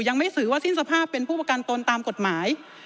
ยังไม่ถือว่าสิ้นสภาพเป็นผู้ประกันตนตามกฎหมาย